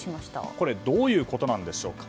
これ、どういうことでしょうか。